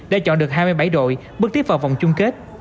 đã chọn được hai mươi bảy đội bước tiếp vào vòng chung kết